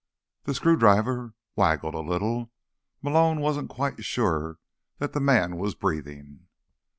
The screwdriver waggled a little. Malone wasn't quite sure that the man was breathing.